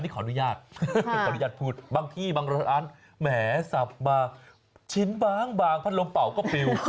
ขออนุญาตพูดบางที่บางร้านแหมสับมาชิ้นบางพันรมเป้าก็เปรี้ยว